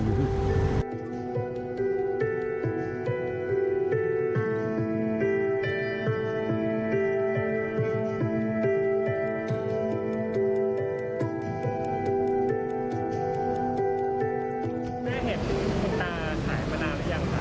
เมื่อเห็นต้นตาขายมานานหรือยังครับ